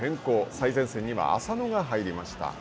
最前線には浅野が入りました。